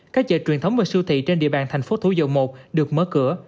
các chợ truyền thống và siêu thị trên địa bàn thành phố thủ dầu một được mở cửa